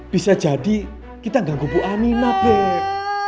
bisa jadi kita nganggup bu aminah beb